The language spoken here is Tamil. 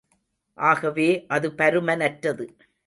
ஆகவே, அது பருமனற்றது.